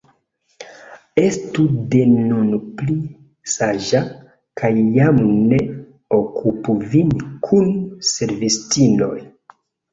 Estu de nun pli saĝa kaj jam ne okupu vin kun servistinoj.